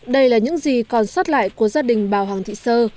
đây là những gì còn xót lại của gia đình bào hoàng thị sơ